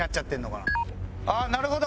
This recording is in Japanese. ああなるほど！